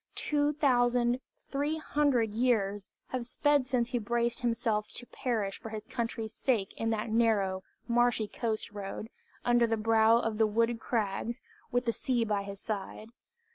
Two thousand three hundred years have sped since he braced himself to perish for his country's sake in that narrow, marshy coast road, under the brow of the wooded crags, with the sea by his side.